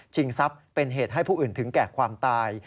ทรัพย์เป็นเหตุให้ผู้อื่นถึงแก่ความตาย